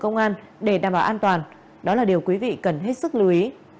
công an để đảm bảo an toàn đó là điều quý vị cần hết sức lưu ý